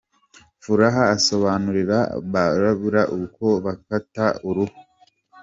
Furaha asobanurira Barbara uko bakata uruhu.